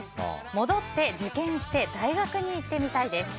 戻って受験して大学に行ってみたいです。